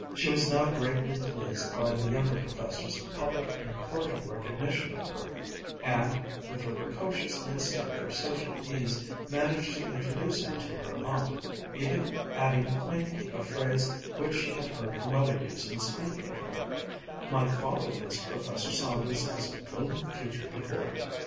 She was now greatly pleased by the younger professor's public and cordial recognition of her, and, with her precocious instinct for social ease, managed to introduce him to her aunt, even adding quaintly a phrase which she had heard her mother use in speaking of him, "My father thinks Professor Saunders has a brilliant future before him."